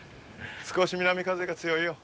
少し南風が強いよ。